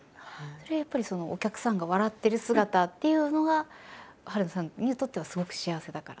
それはやっぱりお客さんが笑ってる姿っていうのが春菜さんにとってはすごく幸せだから？